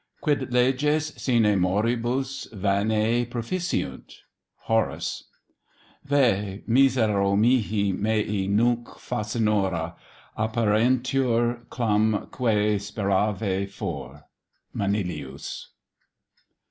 Quid leges sine moribus Vanae proficiunt? HORACE. Vae! misero mihi, mea nunc facinora Aperiuntur, clam quae speravi fore. MANILIUS.